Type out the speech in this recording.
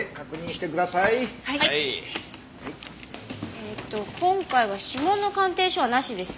えっと今回は指紋の鑑定書はなしですよね？